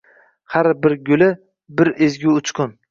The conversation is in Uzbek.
Har bir guli — bir ezgu uchqun